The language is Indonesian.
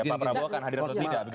pak prabowo akan hadir atau tidak